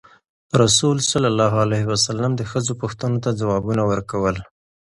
رسول ﷺ د ښځو پوښتنو ته ځوابونه ورکول.